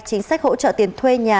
chính sách hỗ trợ tiền thuê nhà